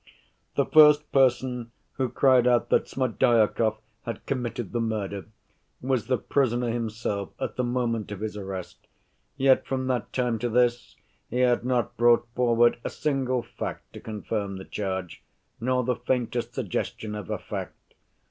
"The first person who cried out that Smerdyakov had committed the murder was the prisoner himself at the moment of his arrest, yet from that time to this he had not brought forward a single fact to confirm the charge, nor the faintest suggestion of a fact.